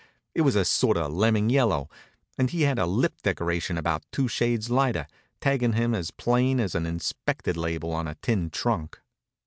It was a sort of lemon yellow, and he had a lip decoration about two shades lighter, taggin' him as plain as an "inspected" label on a tin trunk.